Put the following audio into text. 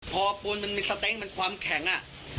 พอปูนมันมีสเต็งมันความแข็งอ่ะ